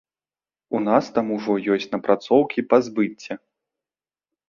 У нас там ўжо ёсць напрацоўкі па збыце.